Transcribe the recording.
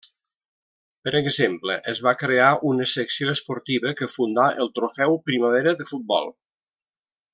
Per exemple es va crear una secció esportiva que fundà el Trofeu Primavera de futbol.